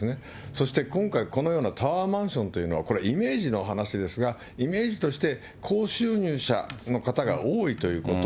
そして、今回、このようなタワーマンションというのは、これ、イメージの話ですが、イメージとして、高収入者の方が多いということ。